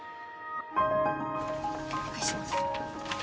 お願いします